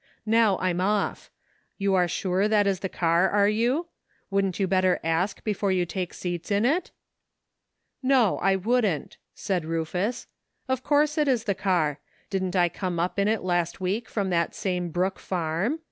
Now I'm off. You are sure that is the car, are you ? Wouldn't you better ask before you take seats in it ?" "No, I wouldn't," said Rufus. "Of course it is the car. Didn't I come up in it last week from that same Brook farm